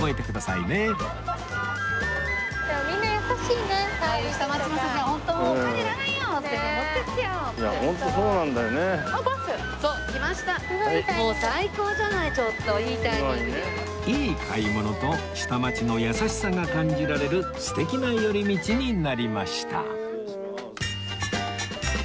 いい買い物と下町の優しさが感じられる素敵な寄り道になりました